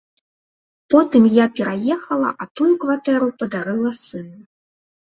Потым я пераехала, а тую кватэру падарыла сыну.